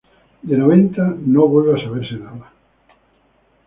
De Noventa no vuelve a saberse nada.